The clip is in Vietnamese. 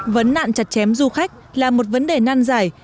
vấn nạn chặt chém du khách là một vấn đề nan giải